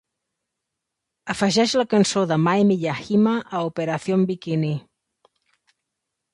Afegeix la cançó de Maimi Yajima a Operación Bikini.